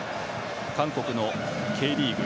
韓国のＫリーグ